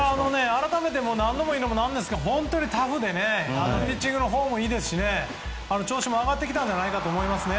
改めても何度も言うのもなんですが本当にタフでねピッチングのほうもいいですし調子も上がってきたんじゃないんですか。